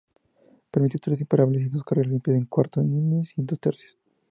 Permitió tres imparables y dos carreras limpias en cuatro innings y dos tercios.